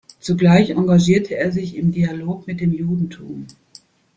Zugleich engagierte er sich im Dialog mit dem Judentum.